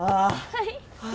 はい。